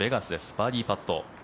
バーディーパット。